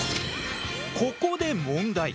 ここで問題。